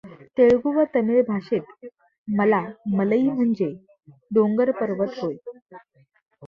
तेलुगू व तमिळ भाषेत मला मलई म्हणजे डोंगर पर्वत होय.